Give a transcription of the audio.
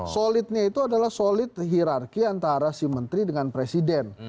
solidnya itu adalah solid hirarki antara si menteri dengan presiden